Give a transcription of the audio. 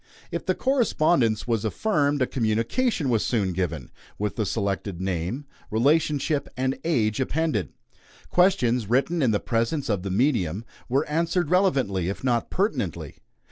If the correspondence was affirmed, a communication was soon given, with the selected name, relationship, and age appended. Questions, written in the presence of the medium, were answered relevantly, if not pertinently.